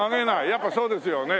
やっぱそうですよね。